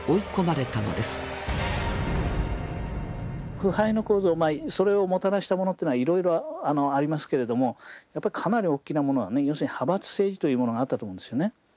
腐敗の構造それをもたらしたものっていうのはいろいろありますけれどもやっぱりかなり大きなものは要するに派閥政治というものがあったと思うんですよね。